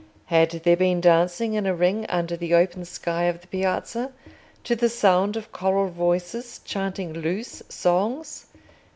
Had there been dancing in a ring under the open sky of the Piazza, to the sound of choral voices chanting loose songs?